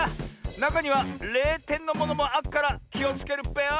なかには０てんのものもあっからきをつけるっぺよ！